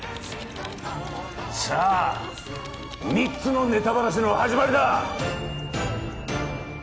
さあ３つのネタバラシの始まりだ！